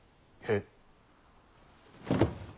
えっ。